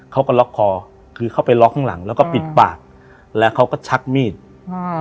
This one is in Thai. เขาก็ล็อกคอคือเข้าไปล็อกข้างหลังแล้วก็ปิดปากแล้วเขาก็ชักมีดอืม